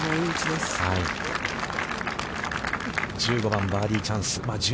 １５番、バーディーチャンス。